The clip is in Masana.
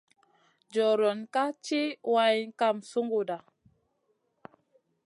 Joriona ka tchi wayn kam sunguda.